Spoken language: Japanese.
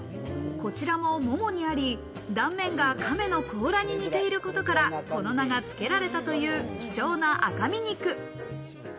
こちらもモモにあり、断面が亀の甲羅に似ていることからこの名が付けられたという希少な赤身肉。